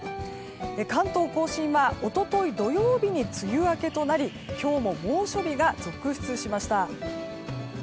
関東・甲信は一昨日、土曜日に梅雨明けとなり今日も猛暑日が続出しました。